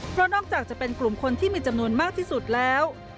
เพราะนอกจากจะเป็นกลุ่มคนที่มีจำนวนมากที่สุดแล้ว